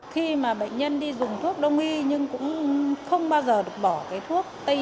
khi mà bệnh nhân đi dùng thuốc đông nghi nhưng cũng không bao giờ được bỏ cái thuốc